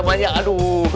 iga kakek betul kan